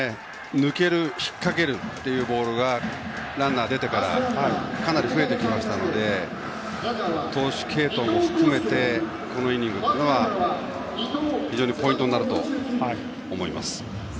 抜ける、引っかけるボールがランナー出てからかなり増えてきましたので投手継投も含め、このイニングは非常にポイントになると思います。